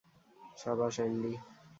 সাবাস, অ্যান্ডি।